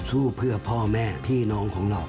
สู้เพื่อพ่อแม่พี่น้องของเรา